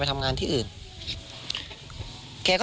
ค่ะเก่งแต่ปาก